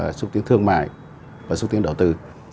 là súc tiến giữa súc tiến thương mại và súc tiến đầu tư